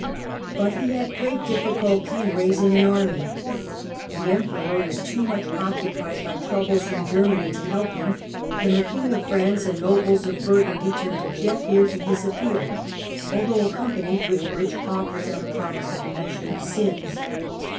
But he had great difficulty in raising an army. The emperor was too much occupied by troubles in Germany^o help him; and the king of France and nobles of Burgundy turned a deaf ear to his appeal, although accompanied with rich offers and a promise of remission of sins.